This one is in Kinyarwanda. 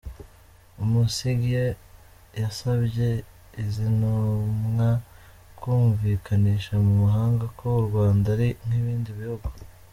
Busingye yasabye izi ntumwa kumvikanisha mu mahanga ko u Rwanda ari nk’ibindi bihugu.